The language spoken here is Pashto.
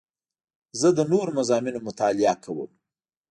زه د نوو مضامینو مطالعه کوم.